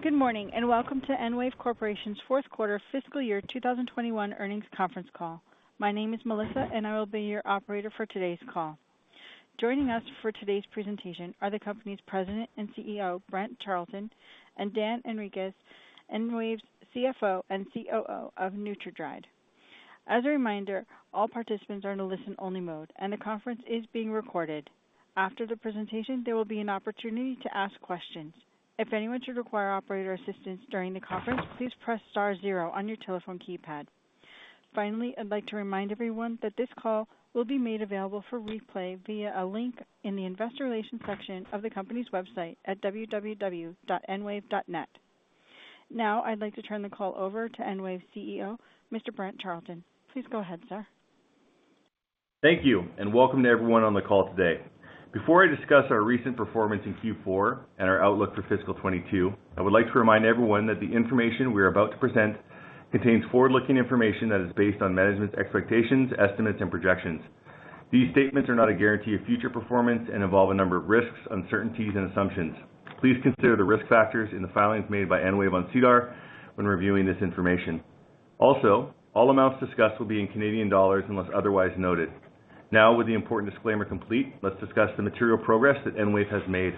Good morning, and welcome to EnWave Corporation's Q4 fiscal year 2021 Earnings Conference Call. My name is Melissa, and I will be your operator for today's call. Joining us for today's presentation are the company's President and CEO, Brent Charleton, and Dan Henriques, EnWave's CFO and COO of NutraDried. As a reminder, all participants are in a listen-only mode, and the conference is being recorded. After the presentation, there will be an opportunity to ask questions. If anyone should require operator assistance during the conference, please press star zero on your telephone keypad. Finally, I'd like to remind everyone that this call will be made available for replay via a link in the investor relations section of the company's website at www.enwave.net. Now I'd like to turn the call over to EnWave's CEO, Mr. Brent Charleton. Please go ahead, sir. Thank you, and welcome to everyone on the call today. Before I discuss our recent performance in Q4 and our outlook for fiscal 2022, I would like to remind everyone that the information we are about to present contains forward-looking information that is based on management's expectations, estimates, and projections. These statements are not a guarantee of future performance and involve a number of risks, uncertainties, and assumptions. Please consider the risk factors in the filings made by EnWave on SEDAR when reviewing this information. Also, all amounts discussed will be in Canadian dollars unless otherwise noted. Now with the important disclaimer complete, let's discuss the material progress that EnWave has made.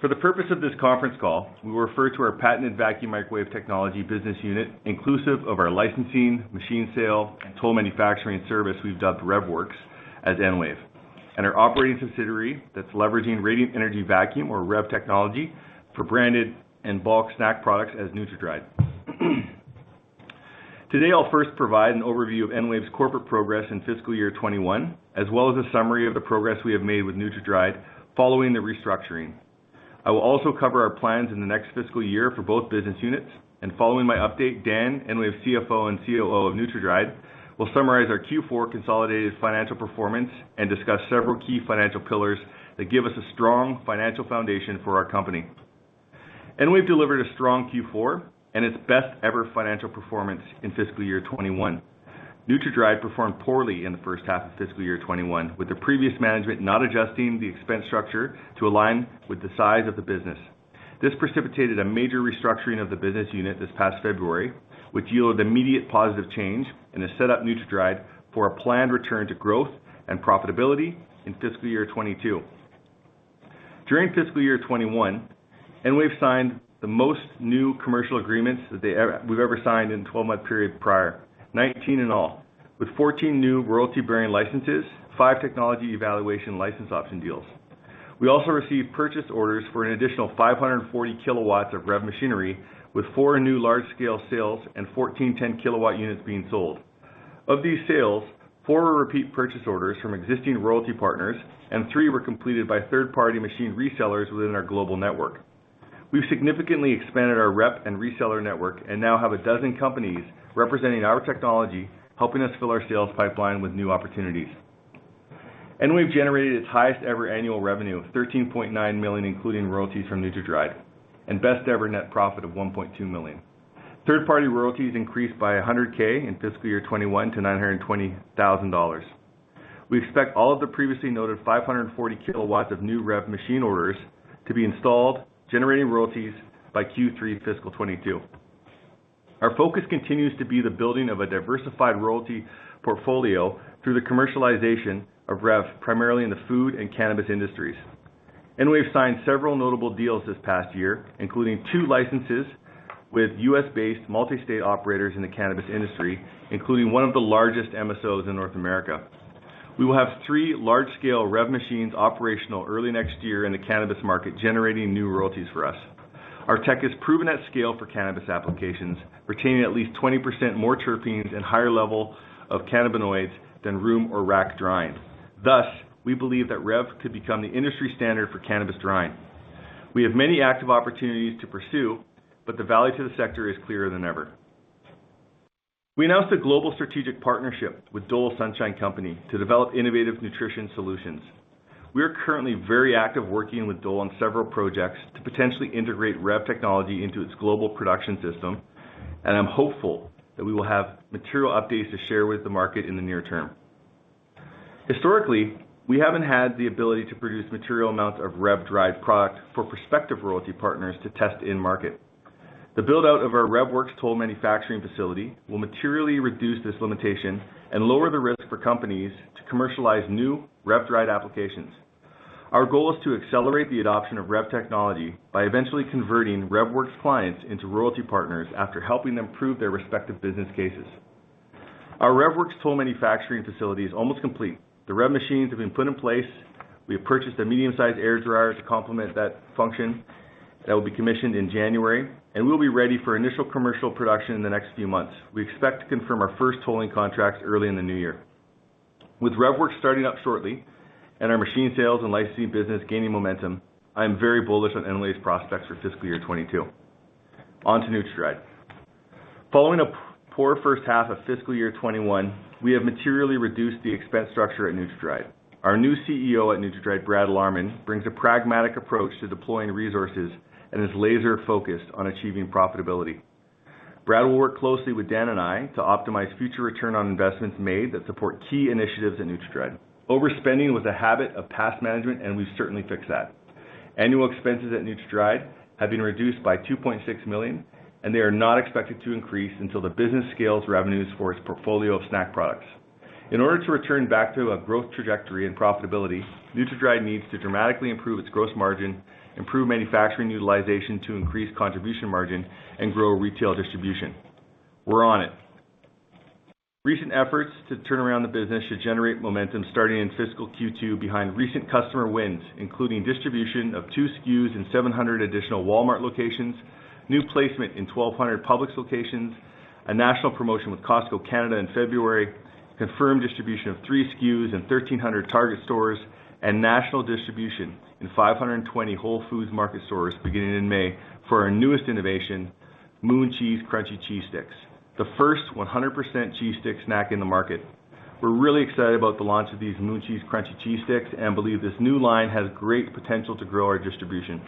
For the purpose of this Conference Call, we will refer to our patented vacuum microwave technology business unit, inclusive of our licensing, machine sale, and toll manufacturing service we've dubbed REVworx as EnWave, and our operating subsidiary that's leveraging radiant energy vacuum or REV technology for branded and bulk snack products as NutraDried. Today, I'll first provide an overview of EnWave's corporate progress in fiscal year 2021, as well as a summary of the progress we have made with NutraDried following the restructuring. I will also cover our plans in the next fiscal year for both business units. Following my update, Dan, EnWave's CFO and COO of NutraDried, will summarize our Q4 consolidated financial performance and discuss several key financial pillars that give us a strong financial foundation for our company. EnWave delivered a strong Q4 and its best ever financial performance in fiscal year 2021. NutraDried performed poorly in the first half of fiscal year 2021, with the previous management not adjusting the expense structure to align with the size of the business. This precipitated a major restructuring of the business unit this past February, which yielded immediate positive change and has set up NutraDried for a planned return to growth and profitability in fiscal year 2022. During fiscal year 2021, EnWave signed the most new commercial agreements that we've ever signed in 12-month period prior, 19 in all, with 14 new royalty-bearing licenses, five technology evaluation license option deals. We also received purchase orders for an additional 540 kW of REV machinery, with four new large-scale sales and 14 10 kW units being sold. Of these sales, four were repeat purchase orders from existing royalty partners, and three were completed by third-party machine resellers within our global network. We've significantly expanded our rep and reseller network and now have a dozen companies representing our technology, helping us fill our sales pipeline with new opportunities. EnWave generated its highest ever annual revenue of 13.9 million, including royalties from NutraDried, and best ever net profit of 1.2 million. Third-party royalties increased by 100,000 in fiscal 2021 to 920,000 dollars. We expect all of the previously noted 540 kilowatts of new REV machine orders to be installed, generating royalties by Q3 fiscal 2022. Our focus continues to be the building of a diversified royalty portfolio through the commercialization of REV, primarily in the food and cannabis industries. EnWave signed several notable deals this past year, including two licenses with U.S.-based multi-state operators in the cannabis industry, including one of the largest MSOs in North America. We will have three large-scale REV machines operational early next year in the cannabis market, generating new royalties for us. Our tech is proven at scale for cannabis applications, retaining at least 20% more terpenes and higher-level of cannabinoids than room or rack drying. Thus, we believe that REV could become the industry standard for cannabis drying. We have many active opportunities to pursue, but the value to the sector is clearer than ever. We announced a global strategic partnership with Dole's Sunshine for All to develop innovative nutrition solutions. We are currently very active working with Dole on several projects to potentially integrate REV technology into its global production system, and I'm hopeful that we will have material updates to share with the market in the near term. Historically, we haven't had the ability to produce material amounts of REV dried product for prospective royalty partners to test in market. The build-out of our REVworx toll manufacturing facility will materially reduce this limitation and lower the risk for companies to commercialize new REV dried applications. Our goal is to accelerate the adoption of REV technology by eventually converting REVworx clients into royalty partners after helping them prove their respective business cases. Our REVworx toll manufacturing facility is almost complete. The REV machines have been put in place. We have purchased a medium-sized air dryer to complement that function that will be commissioned in January, and we'll be ready for initial commercial production in the next few months. We expect to confirm our first tolling contracts early in the new year. With REVworx starting up shortly and our machine sales and licensing business gaining momentum, I am very bullish on EnWave's prospects for fiscal year 2022. On to NutraDried. Following a poor first half of fiscal year 2021, we have materially reduced the expense structure at NutraDried. Our new CEO at NutraDried, Brad Lahrman, brings a pragmatic approach to deploying resources and is laser-focused on achieving profitability. Brad will work closely with Dan and I to optimize future return on investments made that support key initiatives at NutraDried. Overspending was a habit of past management, and we've certainly fixed that. Annual expenses at NutraDried have been reduced by $2.6 million, and they are not expected to increase until the business scales revenues for its portfolio of snack products. In order to return back to a growth trajectory and profitability, NutraDried needs to dramatically improve its gross margin, improve manufacturing utilization to increase contribution margin, and grow retail distribution. We're on it. Recent efforts to turn around the business should generate momentum starting in fiscal Q2 behind recent customer wins, including distribution of 2 SKUs and 700 additional Walmart locations, new placement in 1,200 Publix locations, a national promotion with Costco Canada in February, confirmed distribution of 3 SKUs in 1,300 Target stores, and national distribution in 520 Whole Foods Market stores beginning in May for our newest innovation, Moon Cheese Crunchy Cheese Sticks, the first 100% cheese stick snack in the market. We're really excited about the launch of these Moon Cheese Crunchy Cheese Sticks and believe this new line has great potential to grow our distribution.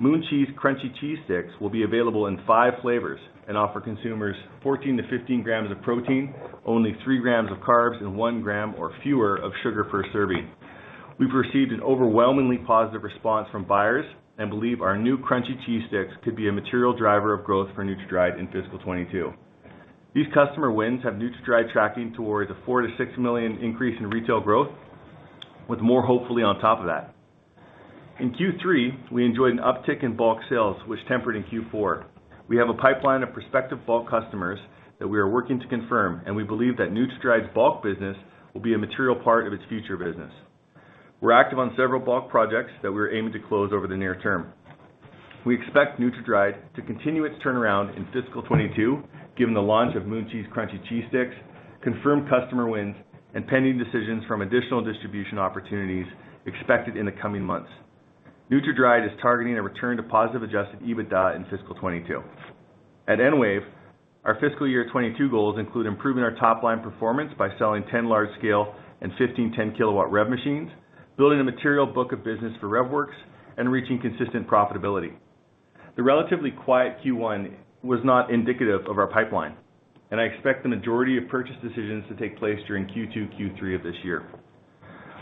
Moon Cheese Crunchy Cheese Sticks will be available in 5 flavors and offer consumers 14-15 grams of protein, only 3 grams of carbs, and 1 gram or fewer of sugar per serving. We've received an overwhelmingly positive response from buyers and believe our new crunchy cheese sticks could be a material driver of growth for NutraDried in FY 2022. These customer wins have NutraDried tracking towards a 4 million-6 million increase in retail growth, with more hopefully on top of that. In Q3, we enjoyed an uptick in bulk sales, which tempered in Q4. We have a pipeline of prospective bulk customers that we are working to confirm, and we believe that NutraDried's bulk business will be a material part of its future business. We're active on several bulk projects that we're aiming to close over the near term. We expect NutraDried to continue its turnaround in fiscal 2022, given the launch of Moon Cheese Crunchy Cheese Sticks, confirmed customer wins, and pending decisions from additional distribution opportunities expected in the coming months. NutraDried is targeting a return to positive adjusted EBITDA in fiscal 2022. At EnWave, our fiscal year 2022 goals include improving our top-line performance by selling 10 large-scale and 15 ten-kilowatt REV machines, building a material book of business for REVworx, and reaching consistent profitability. The relatively quiet Q1 was not indicative of our pipeline, and I expect the majority of purchase decisions to take place during Q2, Q3 of this year.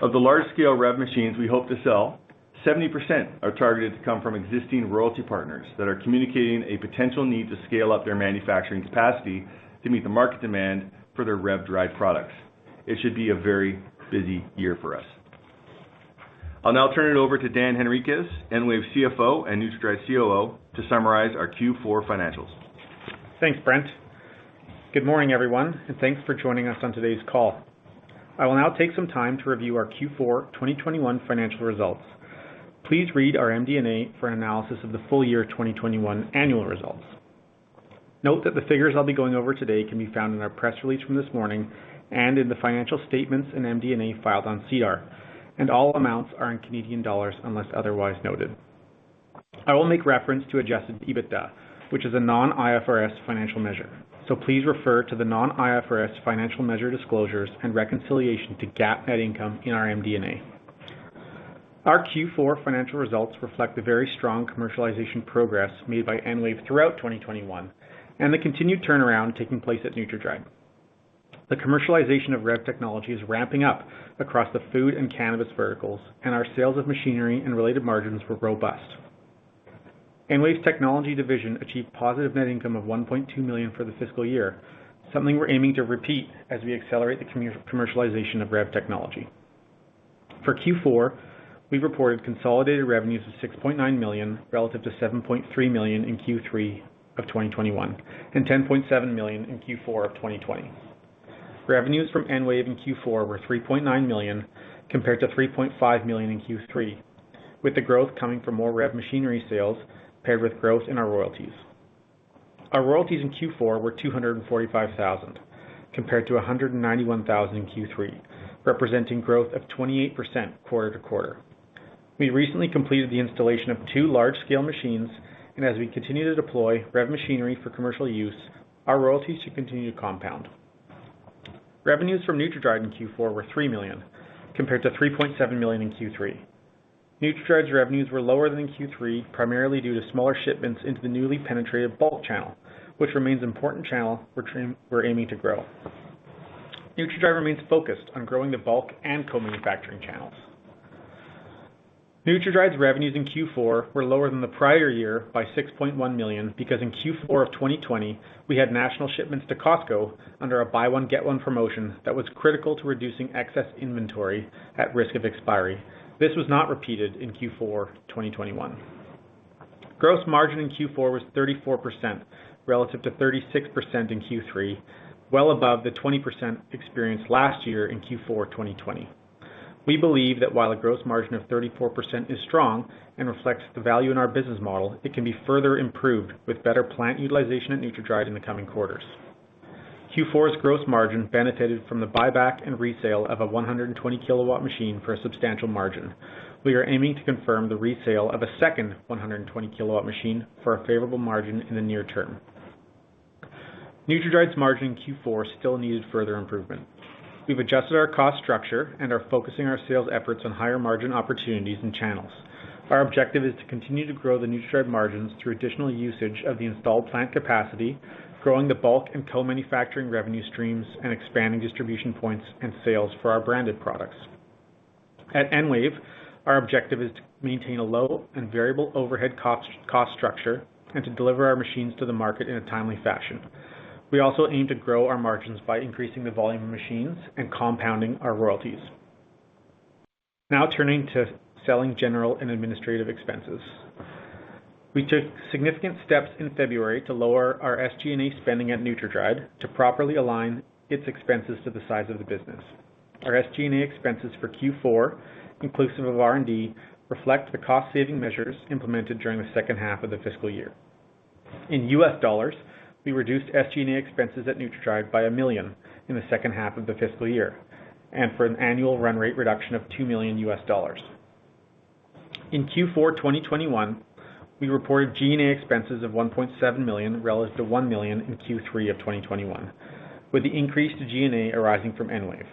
Of the large-scale REV machines we hope to sell, 70% are targeted to come from existing royalty partners that are communicating a potential need to scale up their manufacturing capacity to meet the market demand for their REV-dried products. It should be a very busy year for us. I'll now turn it over to Dan Henriques, EnWave CFO and NutraDried COO, to summarize our Q4 financials. Thanks, Brent. Good morning, everyone, and thanks for joining us on today's call. I will now take some time to review our Q4 2021 financial results. Please read our MD&A for analysis of the full year 2021 annual results. Note that the figures I'll be going over today can be found in our press release from this morning and in the financial statements and MD&A filed on SEDAR, and all amounts are in Canadian dollars unless otherwise noted. I will make reference to adjusted EBITDA, which is a non-IFRS financial measure, so please refer to the non-IFRS financial measure disclosures and reconciliation to GAAP net income in our MD&A. Our Q4 financial results reflect the very strong commercialization progress made by EnWave throughout 2021 and the continued turnaround taking place at NutraDried. The commercialization of REV technology is ramping up across the food and cannabis verticals, and our sales of machinery and related margins were robust. EnWave's technology division achieved positive net income of 1.2 million for the fiscal year, something we're aiming to repeat as we accelerate the commercialization of REV technology. For Q4, we reported consolidated revenues of 6.9 million relative to 7.3 million in Q3 of 2021, and 10.7 million in Q4 of 2020. Revenues from EnWave in Q4 were 3.9 million compared to 3.5 million in Q3, with the growth coming from more REV machinery sales paired with growth in our royalties. Our royalties in Q4 were 245,000, compared to 191,000 in Q3, representing growth of 28% quarter-over-quarter. We recently completed the installation of two large-scale machines, and as we continue to deploy REV machinery for commercial use, our royalties should continue to compound. Revenues from NutraDried in Q4 were 3 million, compared to 3.7 million in Q3. NutraDried's revenues were lower than in Q3, primarily due to smaller shipments into the newly penetrated bulk channel, which remains an important channel we're aiming to grow. NutraDried remains focused on growing the bulk and co-manufacturing channels. NutraDried's revenues in Q4 were lower than the prior-year by 6.1 million because in Q4 of 2020, we had national shipments to Costco under a buy one get one promotion that was critical to reducing excess inventory at risk of expiry. This was not repeated in Q4 2021. Gross margin in Q4 was 34% relative to 36% in Q3, well above the 20% experienced last year in Q4 2020. We believe that while a gross margin of 34% is strong and reflects the value in our business model, it can be further improved with better plant utilization at NutraDried in the coming quarters. Q4's gross margin benefited from the buyback and resale of a 120-kilowatt machine for a substantial margin. We are aiming to confirm the resale of a second 120-kilowatt machine for a favorable margin in the near term. NutraDried's margin in Q4 still needed further improvement. We've adjusted our cost structure and are focusing our sales efforts on higher-margin opportunities and channels. Our objective is to continue to grow the NutraDried margins through additional usage of the installed plant capacity, growing the bulk and co-manufacturing revenue streams, and expanding distribution points and sales for our branded products. At EnWave, our objective is to maintain a low and variable overhead cost structure and to deliver our machines to the market in a timely fashion. We also aim to grow our margins by increasing the volume of machines and compounding our royalties. Now turning to selling general and administrative expenses. We took significant steps in February to lower our SG&A spending at NutraDried to properly align its expenses to the size of the business. Our SG&A expenses for Q4, inclusive of R&D, reflect the cost-saving measures implemented during the second half of the fiscal year. In US dollars, we reduced SG&A expenses at NutraDried by $1 million in the second half of the fiscal year, and for an annual run rate reduction of $2 million. In Q4 2021, we reported G&A expenses of 1.7 million relative to 1 million in Q3 of 2021, with the increase to G&A arising from EnWave.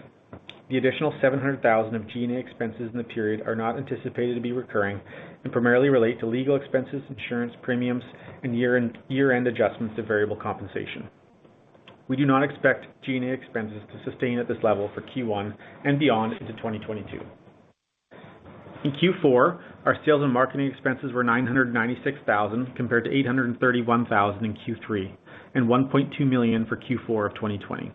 The additional 700 thousand of G&A expenses in the period are not anticipated to be recurring and primarily relate to legal expenses, insurance premiums, and year-end adjustments to variable compensation. We do not expect G&A expenses to sustain at this level for Q1 and beyond into 2022. In Q4, our sales and marketing expenses were 996 thousand compared to 831 thousand in Q3, and 1.2 million for Q4 of 2020.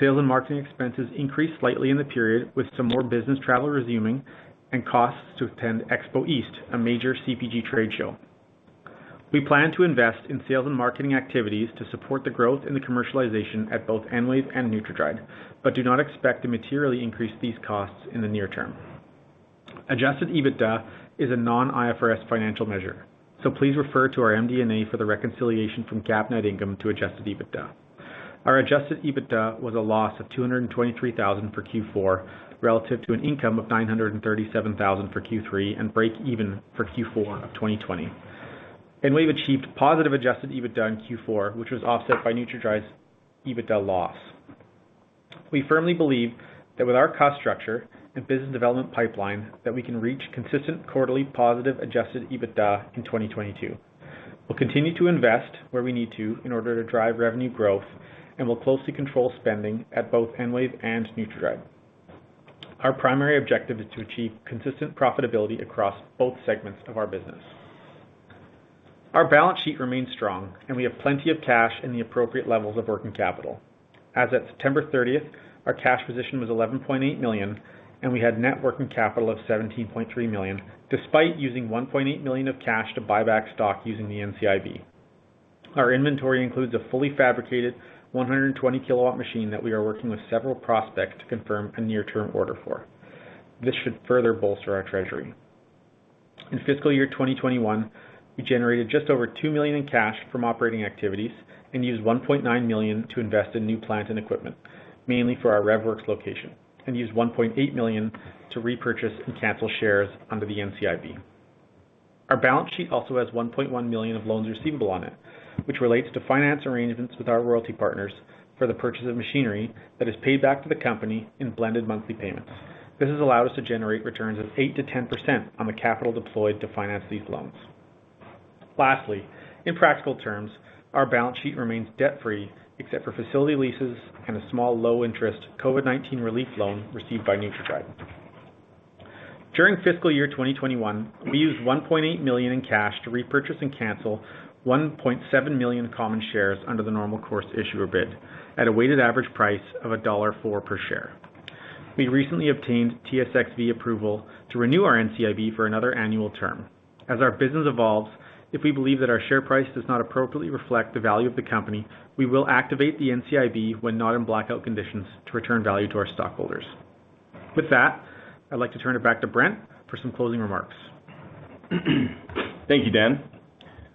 Sales and marketing expenses increased slightly in the period with some more business travel resuming and costs to attend Expo East, a major CPG trade show. We plan to invest in sales and marketing activities to support the growth in the commercialization at both EnWave and NutraDried, but do not expect to materially increase these costs in the near term. Adjusted EBITDA is a non-IFRS financial measure, so please refer to our MD&A for the reconciliation from GAAP net income to adjusted EBITDA. Our adjusted EBITDA was a loss of 223,000 for Q4, relative to an income of 937,000 for Q3, and breakeven for Q4 of 2020. EnWave achieved positive adjusted EBITDA in Q4, which was offset by NutraDried's EBITDA loss. We firmly believe that with our cost structure and business development pipeline, that we can reach consistent quarterly positive adjusted EBITDA in 2022. We'll continue to invest where we need to in order to drive revenue growth, and we'll closely control spending at both EnWave and NutraDried. Our primary objective is to achieve consistent profitability across both segments of our business. Our balance sheet remains strong, and we have plenty of cash in the appropriate levels of working capital. As of September 30, our cash position was 11.8 million, and we had net working capital of 17.3 million, despite using 1.8 million of cash to buy back stock using the NCIB. Our inventory includes a fully fabricated 120-kilowatt machine that we are working with several prospects to confirm a near-term order for. This should further bolster our treasury. In fiscal year 2021, we generated just over 2 million in cash from operating activities and used 1.9 million to invest in new plant and equipment, mainly for our REVworx location, and used 1.8 million to repurchase and cancel shares under the NCIB. Our balance sheet also has 1.1 million of loans receivable on it, which relates to finance arrangements with our royalty partners for the purchase of machinery that is paid back to the company in blended monthly payments. This has allowed us to generate returns of 8%-10% on the capital deployed to finance these loans. Lastly, in practical terms, our balance sheet remains debt-free except for facility leases and a small low interest COVID-19 relief loan received by NutraDried. During fiscal year 2021, we used 1.8 million in cash to repurchase and cancel 1.7 million common shares under the normal course issuer bid at a weighted average price of dollar 1.04 per share. We recently obtained TSXV approval to renew our NCIB for another annual term. As our business evolves, if we believe that our share price does not appropriately reflect the value of the company, we will activate the NCIB when not in blackout conditions to return value to our stockholders. With that, I'd like to turn it back to Brent for some closing remarks. Thank you, Dan.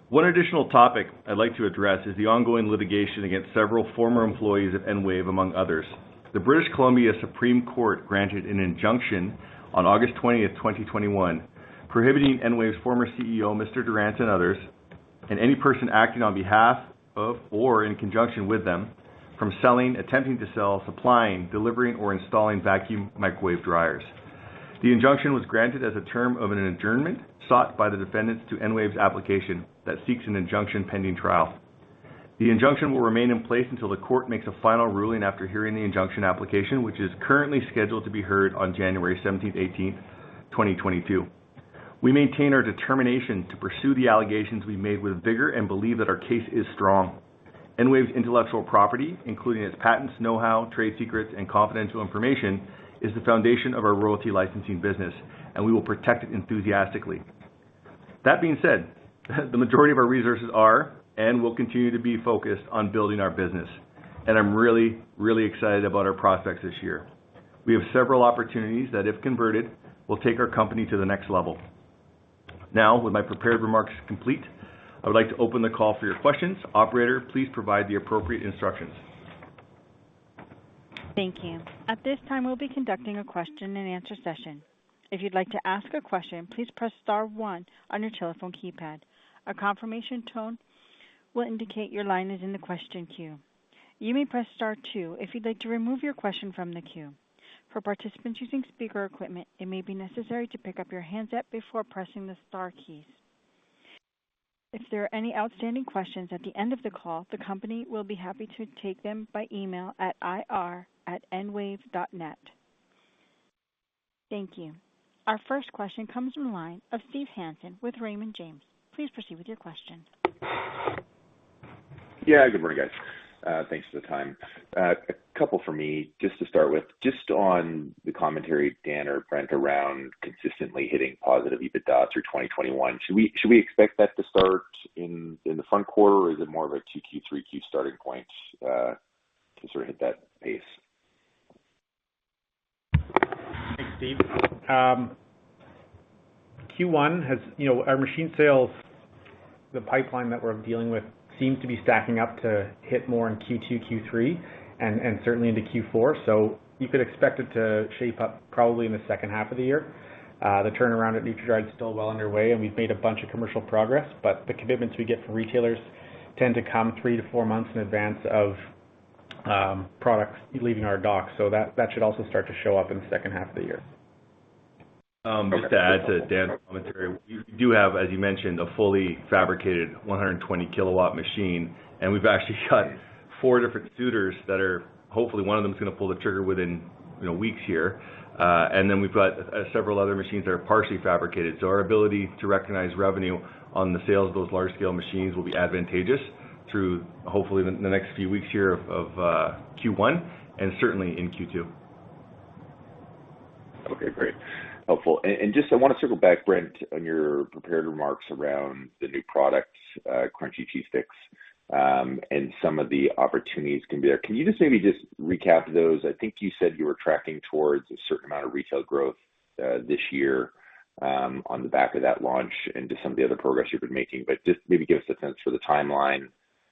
One additional topic I'd like to address is the ongoing litigation against several former employees at EnWave, among others. The Supreme Court of British Columbia granted an injunction on August 20, 2021, prohibiting EnWave's former CEO, Mr. Durance and others, and any person acting on behalf of or in conjunction with them from selling, attempting to sell, supplying, delivering, or installing vacuum microwave dryers. The injunction was granted as a term of an adjournment sought by the defendants to EnWave's application that seeks an injunction pending trial. The injunction will remain in place until the court makes a final ruling after hearing the injunction application, which is currently scheduled to be heard on January 17, 18, 2022. We maintain our determination to pursue the allegations we made with vigor and believe that our case is strong. EnWave's intellectual property, including its patents, know-how, trade secrets, and confidential information, is the foundation of our royalty licensing business, and we will protect it enthusiastically. That being said, the majority of our resources are and will continue to be focused on building our business. I'm really, really excited about our prospects this year. We have several opportunities that, if converted, will take our company to the next level. Now, with my prepared remarks complete, I would like to open the call for your questions. Operator, please provide the appropriate instructions. Thank you. At this time, we'll be conducting a question and answer session. If you'd like to ask a question, please press star one on your telephone keypad. A confirmation tone will indicate your line is in the question queue. You may press star two if you'd like to remove your question from the queue. For participants using speaker equipment, it may be necessary to pick up your handset before pressing the star keys. If there are any outstanding questions at the end of the call, the company will be happy to take them by email at ir@enwave.net. Thank you. Our first question comes from the line of Steve Hansen with Raymond James. Please proceed with your question. Yeah. Good morning, guys. Thanks for the time. A couple for me. Just to start with, just on the commentary, Dan or Brent, around consistently hitting positive EBITDA through 2021, should we expect that to start in the front quarter, or is it more of a Q2, Q3 starting point, to sort of hit that pace? Thanks, Steve. Q1 has. You know, our machine sales, the pipeline that we're dealing with seems to be stacking up to hit more in Q2, Q3, and certainly into Q4. You could expect it to shape up probably in the second half of the year. The turnaround at NutraDried is still well underway, and we've made a bunch of commercial progress. The commitments we get from retailers tend to come 3-4 months in advance of products leaving our dock. That should also start to show up in the second half of the year. Okay. Just to add to Dan's commentary, we do have, as you mentioned, a fully fabricated 100-kilowatt machine, and we've actually got 4 different suitors that are hopefully one of them is gonna pull the trigger within, you know, weeks here. And then we've got several other machines that are partially fabricated. Our ability to recognize revenue on the sales of those large scale machines will be advantageous through, hopefully the next few weeks here of Q1 and certainly in Q2. Okay, great. Helpful. Just, I wanna circle back, Brent, on your prepared remarks around the new product, crunchy cheese sticks, and some of the opportunities can be there. Can you just maybe recap those? I think you said you were tracking towards a certain amount of retail growth this year on the back of that launch into some of the other progress you've been making, but just maybe give us a sense for the timeline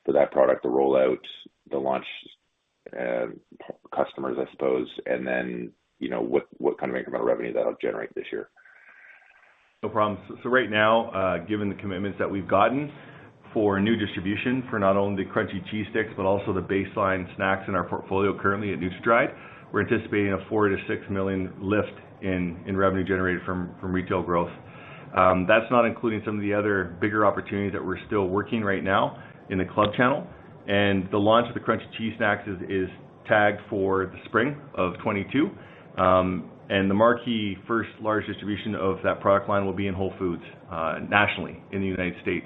for that product to roll out the launch, customers, I suppose. Then, you know, what kind of incremental revenue that'll generate this year. No problem. Right now, given the commitments that we've gotten for new distribution for not only the crunchy cheese sticks, but also the baseline snacks in our portfolio currently at NutraDried, we're anticipating a 4 million-6 million lift in revenue generated from retail growth. That's not including some of the other bigger opportunities that we're still working right now in the club channel. The launch of the crunchy cheese snacks is tagged for the spring of 2022. The marquee first large distribution of that product line will be in Whole Foods nationally in the United States.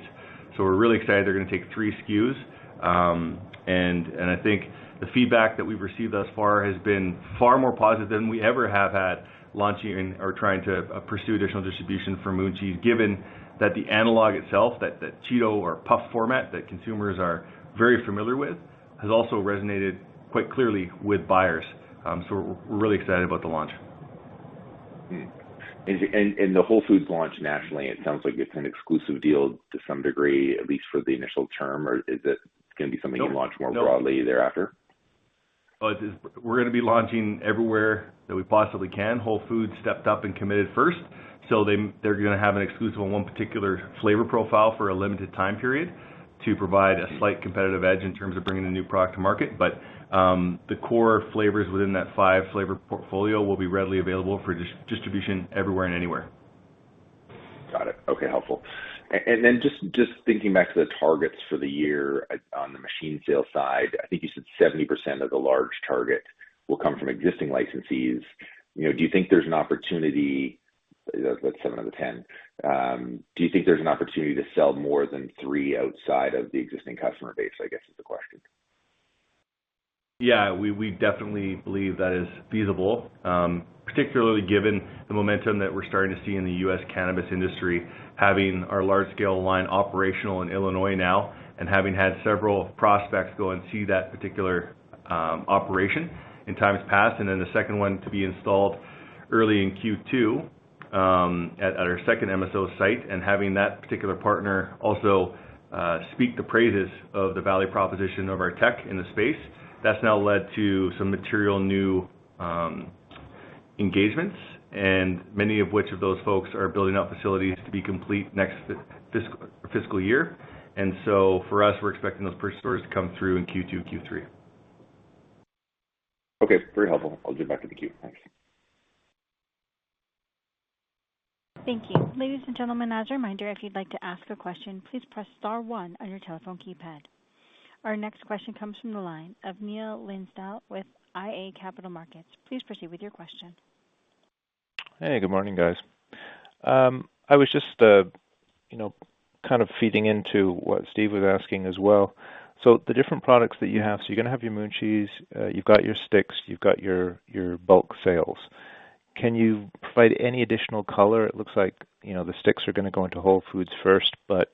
We're really excited they're gonna take 3 SKUs. I think the feedback that we've received thus far has been far more positive than we ever have had launching or trying to pursue additional distribution for Moon Cheese. Given that the analog itself, that Cheeto or puff format that consumers are very familiar with, has also resonated quite clearly with buyers. We're really excited about the launch. The Whole Foods launch nationally, it sounds like it's an exclusive deal to some degree, at least for the initial term. Or is it gonna be something- No. You launch more. No. broadly thereafter? We're gonna be launching everywhere that we possibly can. Whole Foods stepped up and committed first, so they're gonna have an exclusive on one particular flavor profile for a limited time period to provide a slight competitive edge in terms of bringing a new product to market. The core flavors within that five-flavor portfolio will be readily available for distribution everywhere and anywhere. Got it. Okay. Helpful. Just thinking back to the targets for the year on the machine sales side, I think you said 70% of the large target will come from existing licensees. You know, that's seven of the 10. Do you think there's an opportunity to sell more than three outside of the existing customer base? I guess is the question. Yeah, we definitely believe that is feasible, particularly given the momentum that we're starting to see in the U.S. cannabis industry. Having our large scale line operational in Illinois now and having had several prospects go and see that particular operation in times past, and then the second one to be installed early in Q2 at our second MSO site. Having that particular partner also speak the praises of the value proposition of our tech in the space, that's now led to some material new engagements and many of which of those folks are building out facilities to be complete next fiscal year. We're expecting those first orders to come through in Q2, Q3. Okay. Very helpful. I'll give back to the queue. Thanks. Thank you. Ladies and gentlemen, as a reminder, if you'd like to ask a question, please press star one on your telephone keypad. Our next question comes from the line of Neil Linsdell with iA Capital Markets. Please proceed with your question. Hey, good morning, guys. I was just, you know, kind of feeding into what Steve was asking as well. The different products that you have, you're gonna have your Moon Cheese, you've got your sticks, you've got your bulk sales. Can you provide any additional color? It looks like, you know, the sticks are gonna go into Whole Foods first, but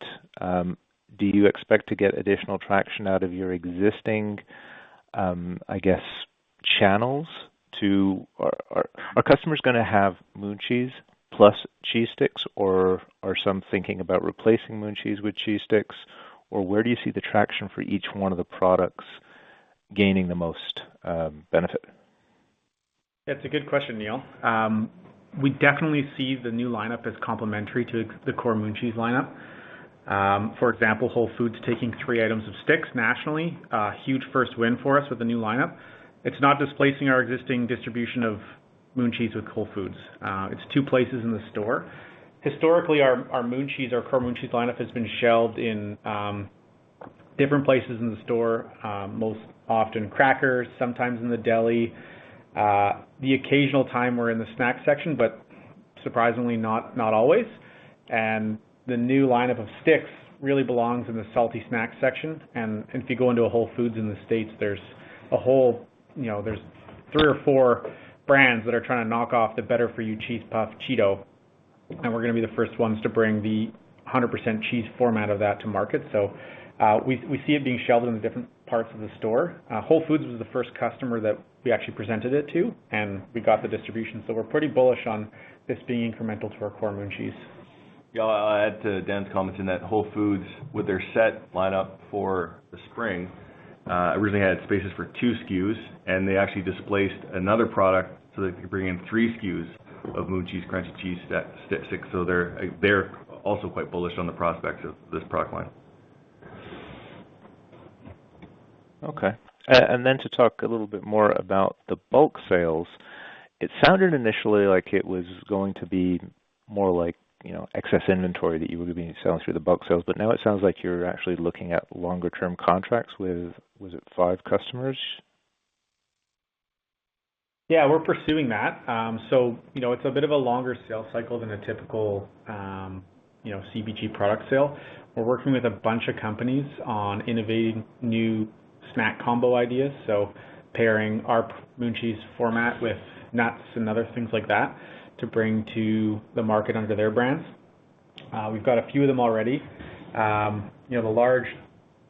do you expect to get additional traction out of your existing, I guess, channels to our customers gonna have Moon Cheese plus Cheese Stix, or are some thinking about replacing Moon Cheese with Cheese Stix? Or where do you see the traction for each one of the products gaining the most benefit? That's a good question, Neil. We definitely see the new lineup as complementary to the core Moon Cheese lineup. For example, Whole Foods taking three items of Stix nationally, a huge first win for us with the new lineup. It's not displacing our existing distribution of Moon Cheese with Whole Foods. It's two places in the store. Historically, our Moon Cheese, our core Moon Cheese lineup has been shelved in different places in the store, most often crackers, sometimes in the deli. The occasional time we're in the snack section, but surprisingly not always. The new lineup of Stix really belongs in the salty snack section. If you go into a Whole Foods in the States, there's a whole, you know, three or four brands that are trying to knock off the better for you cheese puff Cheeto, and we're gonna be the first ones to bring the 100% cheese format of that to market. We see it being shelved in the different parts of the store. Whole Foods was the first customer that we actually presented it to, and we got the distribution. We're pretty bullish on this being incremental to our core Moon Cheese. Yeah, I'll add to Dan's comments. In that Whole Foods with their set lineup for the spring originally had spaces for two SKUs, and they actually displaced another product so they could bring in three SKUs of Moon Cheese Crunchy Cheese Stix. They're also quite bullish on the prospects of this product line. Okay. To talk a little bit more about the bulk sales. It sounded initially like it was going to be more like, you know, excess inventory that you would be selling through the bulk sales, but now it sounds like you're actually looking at longer term contracts with, was it five customers? Yeah, we're pursuing that. So, you know, it's a bit of a longer sales cycle than a typical, you know, CPG product sale. We're working with a bunch of companies on innovating new snack combo ideas, so pairing our Moon Cheese format with nuts and other things like that to bring to the market under their brands. We've got a few of them already. You know, the large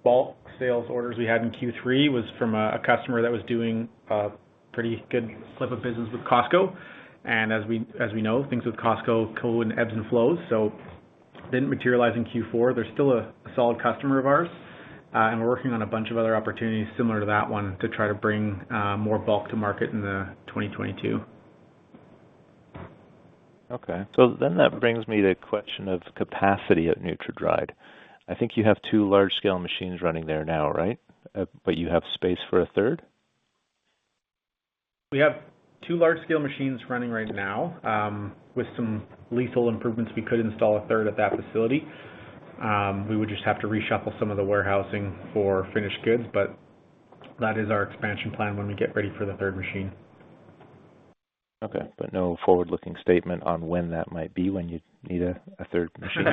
bulk sales orders we had in Q3 was from a customer that was doing a pretty good clip of business with Costco. As we know, things with Costco can go in ebbs and flows, so didn't materialize in Q4. They're still a solid customer of ours, and we're working on a bunch of other opportunities similar to that one to try to bring more bulk to market in the 2022. Okay. That brings me to the question of capacity at NutraDried. I think you have two large-scale machines running there now, right? But you have space for a third? We have two large-scale machines running right now. With some little improvements, we could install a third at that facility. We would just have to reshuffle some of the warehousing for finished goods, but that is our expansion plan when we get ready for the third machine. Okay. No forward-looking statement on when that might be when you need a third machine.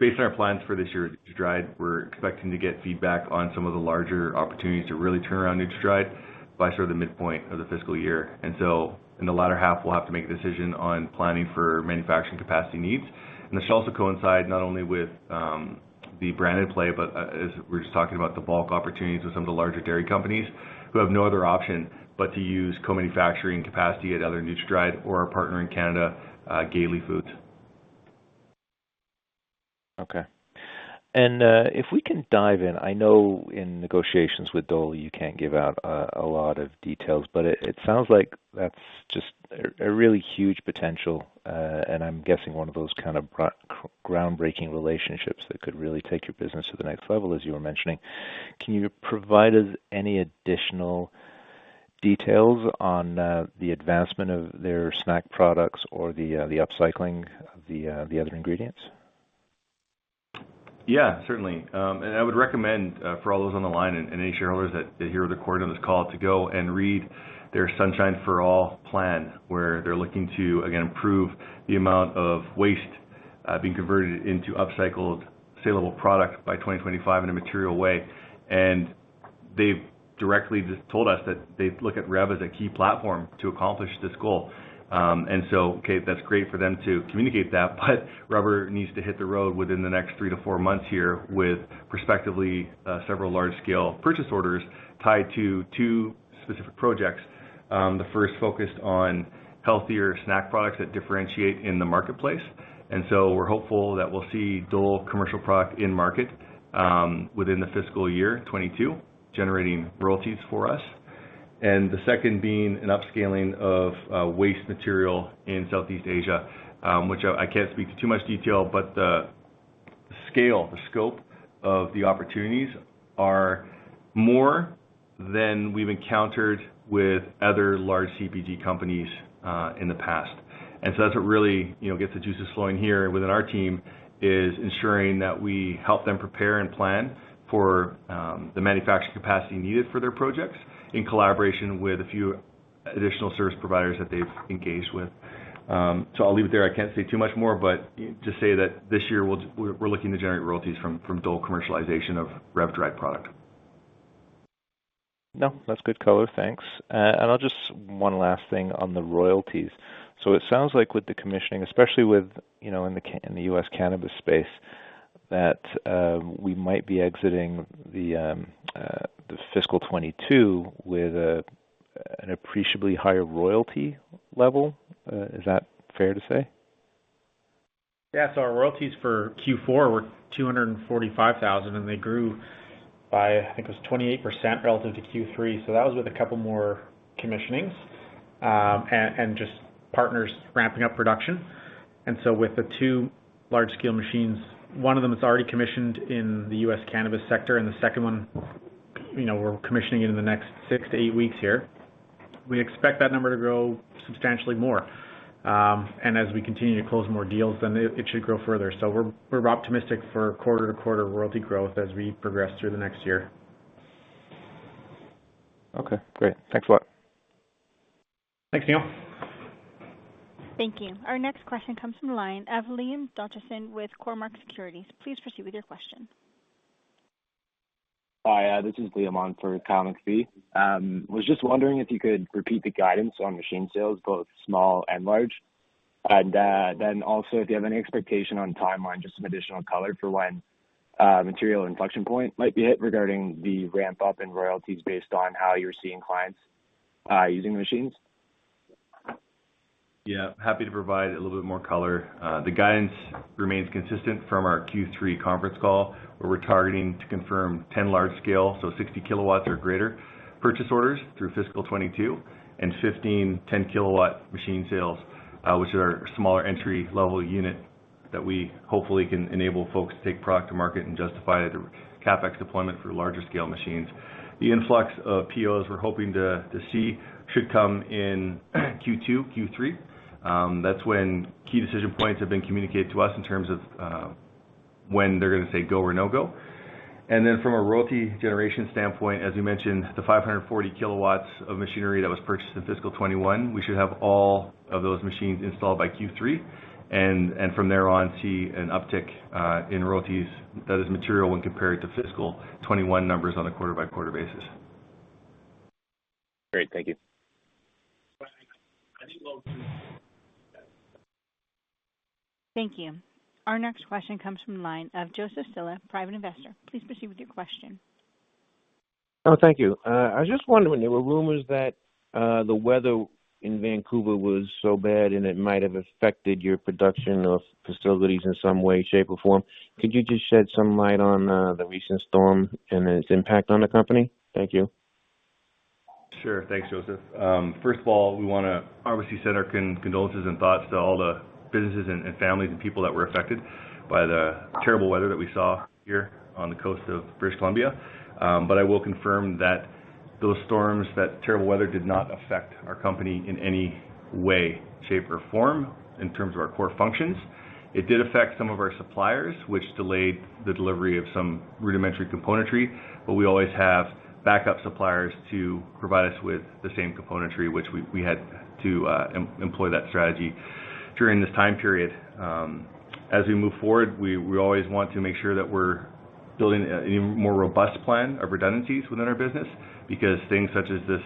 Based on our plans for this year at NutraDried, we're expecting to get feedback on some of the larger opportunities to really turn around NutraDried by sort of the midpoint of the fiscal year. In the latter half, we'll have to make a decision on planning for manufacturing capacity needs. This should also coincide not only with the branded play, but as we're just talking about the bulk opportunities with some of the larger dairy companies who have no other option but to use co-manufacturing capacity at other NutraDried or our partner in Canada, Gay Lea Foods. Okay. If we can dive in, I know in negotiations with Dole, you can't give out a lot of details, but it sounds like that's just a really huge potential, and I'm guessing one of those kind of groundbreaking relationships that could really take your business to the next level, as you were mentioning. Can you provide us any additional details on the advancement of their snack products or the upcycling of the other ingredients? Yeah, certainly. I would recommend for all those on the line and any shareholders that hear the recording of this call to go and read their Sunshine for All plan, where they're looking to, again, improve the amount of waste being converted into upcycled saleable product by 2025 in a material way. They've directly just told us that they look at REV as a key platform to accomplish this goal. Okay, that's great for them to communicate that, but rubber needs to hit the road within the next 3-4 months here with prospectively several large-scale purchase orders tied to two specific projects. The first focused on healthier snack products that differentiate in the marketplace. We're hopeful that we'll see Dole commercial product in market within the fiscal year 2022, generating royalties for us. The second being an upscaling of waste material in Southeast Asia, which I can't speak to too much detail, but the scale, the scope of the opportunities are more than we've encountered with other large CPG companies in the past. That's what really, you know, gets the juices flowing here within our team, is ensuring that we help them prepare and plan for the manufacturing capacity needed for their projects in collaboration with a few additional service providers that they've engaged with. I'll leave it there. I can't say too much more, but just say that this year, we're looking to generate royalties from Dole commercialization of REV dried product. No, that's good color. Thanks. I'll just one last thing on the royalties. It sounds like with the commissioning, especially with, you know, in the U.S. cannabis space that we might be exiting the fiscal 2022 with an appreciably higher royalty level. Is that fair to say? Yeah. Our royalties for Q4 were 245,000, and they grew by, I think, it was 28% relative to Q3. That was with a couple more commissionings, and just partners ramping up production. With the two large scale machines, one of them is already commissioned in the U.S. cannabis sector, and the second one, you know, we're commissioning it in the next 6 to 8 weeks here. We expect that number to grow substantially more. And as we continue to close more deals, then it should grow further. We're optimistic for quarter-to-quarter royalty growth as we progress through the next year. Okay, great. Thanks a lot. Thanks, Neil. Thank you. Our next question comes from the line of Liam Richardson with Cormark Securities. Please proceed with your question. Hi, this is Liam on for Cormark Securities. Was just wondering if you could repeat the guidance on machine sales, both small and large. Then also if you have any expectation on timeline, just some additional color for when material inflection point might be hit regarding the ramp up in royalties based on how you're seeing clients using the machines. Yeah, happy to provide a little bit more color. The guidance remains consistent from our Q3 Conference Call, where we're targeting to confirm 10 large-scale, so 60 kilowatts or greater purchase orders through fiscal 2022 and 15 10-kilowatt machine sales, which are our smaller entry-level unit that we hopefully can enable folks to take product to market and justify the CapEx deployment for larger-scale machines. The influx of POs we're hoping to see should come in Q2, Q3. That's when key decision points have been communicated to us in terms of when they're gonna say go or no-go. Then from a royalty generation standpoint, as we mentioned, the 540 kilowatts of machinery that was purchased in fiscal 2021, we should have all of those machines installed by Q3. From there on, see an uptick in royalties that is material when compared to fiscal 2021 numbers on a quarter-by-quarter basis. Great. Thank you. Thank you. Our next question comes from the line of Joseph Silla, private investor. Please proceed with your question. Oh, thank you. I was just wondering, there were rumors that the weather in Vancouver was so bad and it might have affected your production facilities in some way, shape, or form. Could you just shed some light on the recent storm and its impact on the company? Thank you. Sure. Thanks, Joseph. First of all, we wanna obviously send our condolences and thoughts to all the businesses and families and people that were affected by the terrible weather that we saw here on the coast of British Columbia. I will confirm that those storms, that terrible weather did not affect our company in any way, shape, or form in terms of our core functions. It did affect some of our suppliers, which delayed the delivery of some rudimentary componentry, but we always have backup suppliers to provide us with the same componentry, which we had to employ that strategy during this time period. As we move forward, we always want to make sure that we're building an even more robust plan of redundancies within our business because things such as this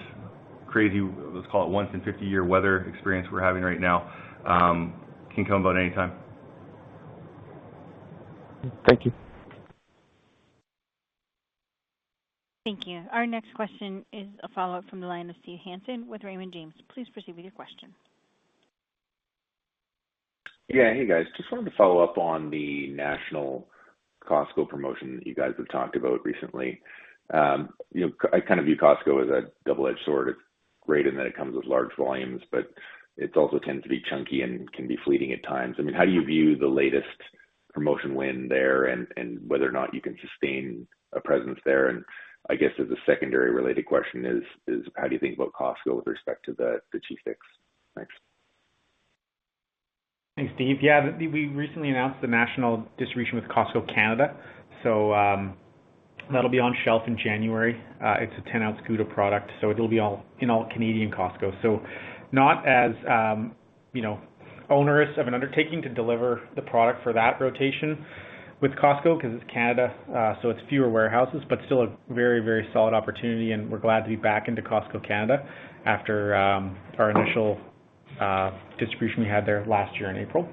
crazy, let's call it once in a 50-year weather experience we're having right now, can come about any time. Thank you. Thank you. Our next question is a follow-up from the line of Steve Hansen with Raymond James. Please proceed with your question. Yeah. Hey, guys. Just wanted to follow up on the national Costco promotion that you guys have talked about recently. You know, I kind of view Costco as a double-edged sword. It's great in that it comes with large volumes, but it also tends to be chunky and can be fleeting at times. I mean, how do you view the latest promotion win there and whether or not you can sustain a presence there? I guess as a secondary-related question is how do you think about Costco with respect to the G6? Thanks. Thanks, Steve. Yeah. We recently announced the national distribution with Costco Canada, so that'll be on shelf in January. It's a 10-ounce Gouda product, so it'll be all in all Canadian Costcos. Not as, you know, onerous of an undertaking to deliver the product for that rotation with Costco because it's Canada. It's fewer warehouses, but still a very, very solid opportunity, and we're glad to be back into Costco Canada after our initial distribution we had there last year in April.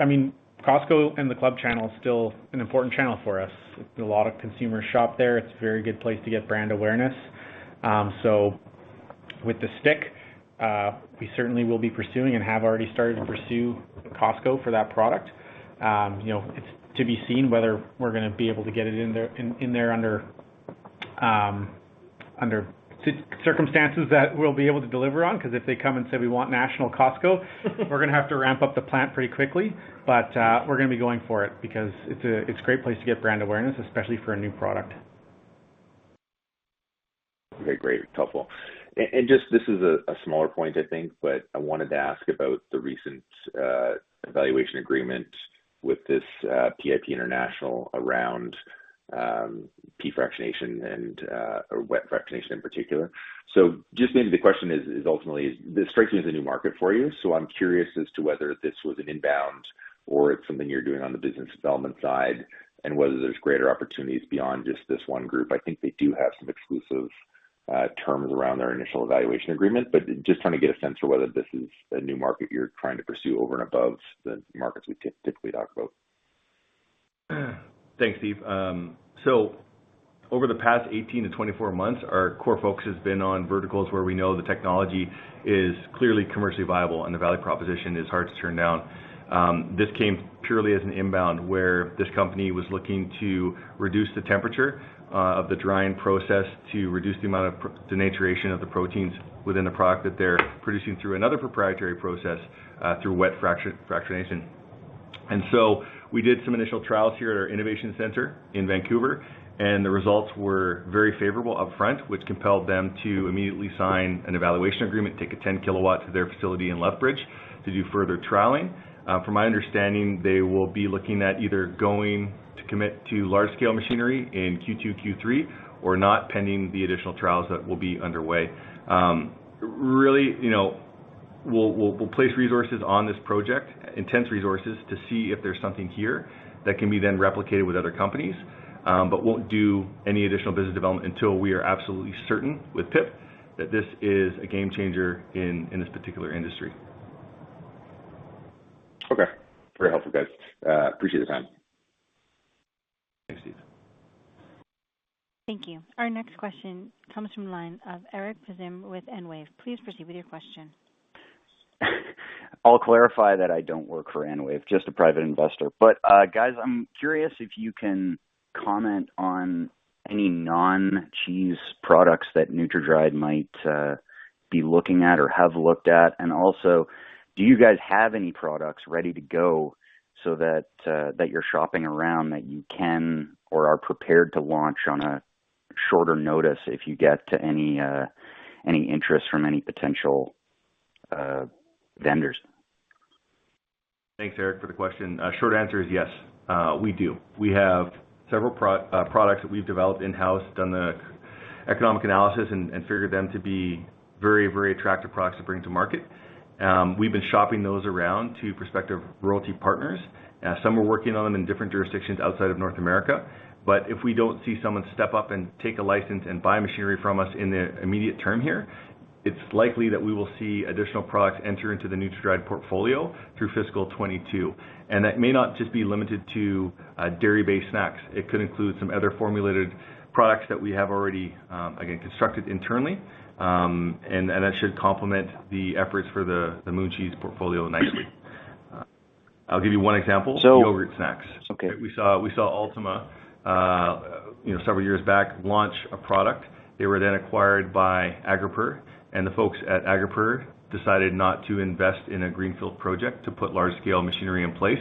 I mean, Costco and the club channel is still an important channel for us. A lot of consumers shop there. It's a very good place to get brand awareness. With the stick, we certainly will be pursuing and have already started to pursue Costco for that product. You know, it's to be seen whether we're gonna be able to get it in there under circumstances that we'll be able to deliver on, because if they come and say we want national Costco, we're gonna have to ramp up the plant pretty quickly. We're gonna be going for it because it's a great place to get brand awareness, especially for a new product. Okay, great. Helpful. This is a smaller point I think, but I wanted to ask about the recent evaluation agreement with this PIP International around pea fractionation or wet fractionation in particular. So just maybe the question is ultimately this fractionation a new market for you, so I'm curious as to whether this was an inbound or it's something you're doing on the business development side, and whether there's greater opportunities beyond just this one group. I think they do have some exclusive terms around their initial evaluation agreement, but just trying to get a sense for whether this is a new market you're trying to pursue over and above the markets we typically talk about. Thanks, Steve. Over the past 18-24 months, our core focus has been on verticals where we know the technology is clearly commercially viable and the value proposition is hard to turn down. This came purely as an inbound, where this company was looking to reduce the temperature of the drying process to reduce the amount of denaturation of the proteins within the product that they're producing through another proprietary process, through wet fractionation. We did some initial trials here at our innovation center in Vancouver, and the results were very favorable up front, which compelled them to immediately sign an evaluation agreement, take a 10-kilowatt to their facility in Lethbridge to do further trialing. From my understanding, they will be looking at either going to commit to large scale machinery in Q2, Q3, or not pending the additional trials that will be underway. Really, you know, we'll place resources on this project, intense resources, to see if there's something here that can be then replicated with other companies. But won't do any additional business development until we are absolutely certain with PIP that this is a game changer in this particular industry. Okay. Very helpful, guys. Appreciate the time. Thanks, Steve. Thank you. Our next question comes from the line of Eric Bazym with EnWave. Please proceed with your question. I'll clarify that I don't work for EnWave, just a private investor. Guys, I'm curious if you can comment on any non-cheese products that NutraDried might be looking at or have looked at. Also, do you guys have any products ready to go so that you're shopping around that you can or are prepared to launch on a shorter notice if you get to any interest from any potential vendors? Thanks, Eric, for the question. Short answer is yes, we do. We have several products that we've developed in-house, done the economic analysis and figured them to be very, very attractive products to bring to market. We've been shopping those around to prospective royalty partners. Some are working on them in different jurisdictions outside of North America. If we don't see someone step up and take a license and buy machinery from us in the immediate term here, it's likely that we will see additional products enter into the NutraDried portfolio through fiscal 2022. That may not just be limited to dairy-based snacks. It could include some other formulated products that we have already, again, constructed internally. That should complement the efforts for the Moon Cheese portfolio nicely. I'll give you one example. So- Yogurt snacks. Okay. We saw Ultima, you know, several years back launch a product. They were then acquired by Agropur, and the folks at Agropur decided not to invest in a greenfield project to put large scale machinery in place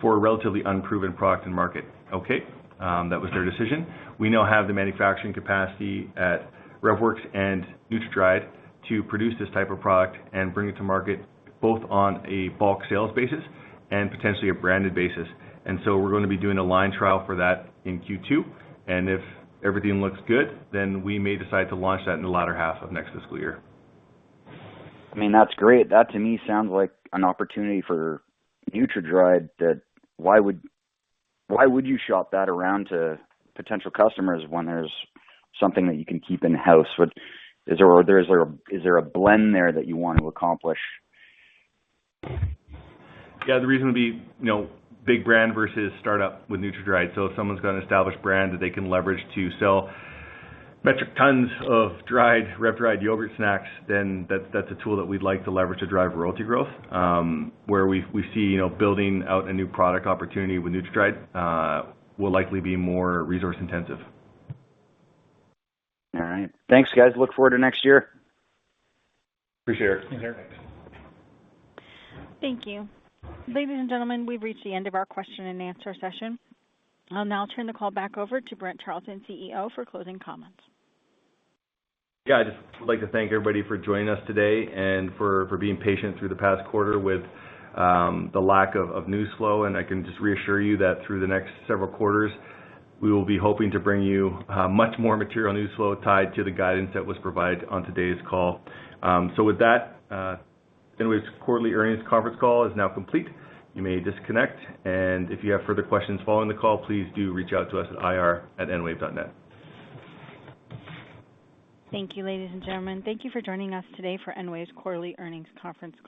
for a relatively unproven product and market. Okay. That was their decision. We now have the manufacturing capacity at REVworx and NutraDried to produce this type of product and bring it to market both on a bulk sales basis and potentially a branded basis. We're gonna be doing a line trial for that in Q2, and if everything looks good, then we may decide to launch that in the latter half of next fiscal year. I mean, that's great. That, to me, sounds like an opportunity for NutraDried. Why would you shop that around to potential customers when there's something that you can keep in-house? Is there a blend there that you want to accomplish? Yeah. The reason would be, you know, big brand versus startup with NutraDried. So if someone's got an established brand that they can leverage to sell metric tons of dried, REV dried yogurt snacks, then that's a tool that we'd like to leverage to drive royalty growth, where we see, you know, building out a new product opportunity with NutraDried will likely be more resource intensive. All right. Thanks, guys. I look forward to next year. Appreciate it. Thanks, Eric. Thank you. Ladies and gentlemen, we've reached the end of our question and answer session. I'll now turn the call back over to Brent Charleton, CEO, for closing comments. Yeah. I'd just like to thank everybody for joining us today and for being patient through the past quarter with the lack of news flow. I can just reassure you that through the next several quarters, we will be hoping to bring you much more material news flow tied to the guidance that was provided on today's call. With that, EnWave's quarterly earnings Conference Call is now complete. You may disconnect. If you have further questions following the call, please do reach out to us at ir@enwave.net. Thank you, ladies and gentlemen. Thank you for joining us today for EnWave's quarterly earnings Conference Call.